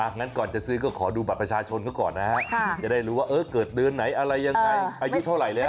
งั้นก่อนจะซื้อก็ขอดูบัตรประชาชนเขาก่อนนะฮะจะได้รู้ว่าเกิดเดือนไหนอะไรยังไงอายุเท่าไหร่แล้ว